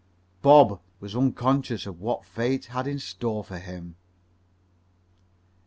Bob was all unconscious of what fate had in store for him.